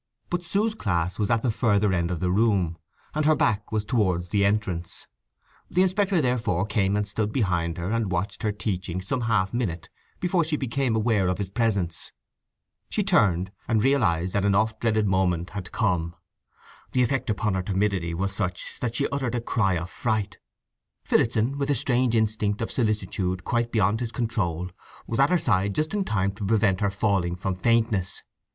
But Sue's class was at the further end of the room, and her back was towards the entrance; the inspector therefore came and stood behind her and watched her teaching some half minute before she became aware of his presence. She turned, and realized that an oft dreaded moment had come. The effect upon her timidity was such that she uttered a cry of fright. Phillotson, with a strange instinct of solicitude quite beyond his control, was at her side just in time to prevent her falling from faintness.